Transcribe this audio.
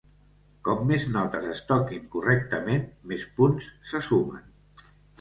Com més notes es toquin correctament, més punts se sumen.